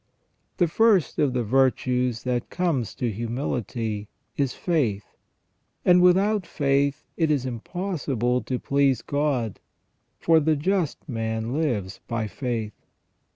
The first of the virtues that comes to humility is faith, and " without faith it is impossible to please God," for " the just man lives by faith